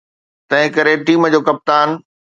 تنهنڪري ٽيم جو ڪپتان.